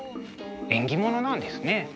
縁起ものなんですね。